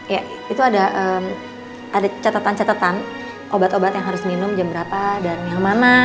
ya itu ada catatan catatan obat obat yang harus minum jam berapa dan yang mana